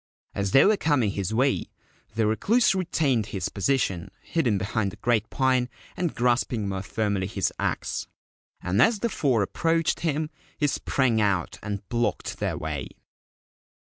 As they were coming his way the Recluse retained his position, hidden behind the great pine, and grasping more firmly his axe ; and as the four approached him he sprang out and blocked their way.